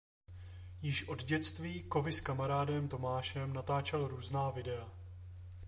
Již od dětství Kovy s kamarádem Tomášem natáčel různá videa.